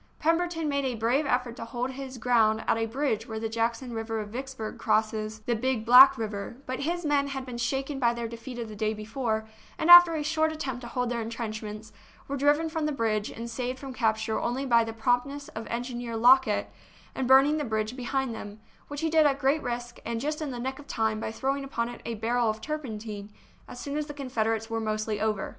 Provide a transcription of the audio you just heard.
Pem berton made a brave effort to hold his ground at a bridge where the Jackson road of Vicksburg crosses THE BOOK OF FAMOUS SIEGES the Big Black River; but his men had been shaken by their defeat of the day before, and after a short attempt to hold their intrenchments, were driven from the bridge and saved from capture only by the promptness of engineer Lockett in burning the bridge behind [them, which he did at great risk and just in the nick of time by throwing upon it a barrel of turpentine, as soon as the Confederates were mostly over.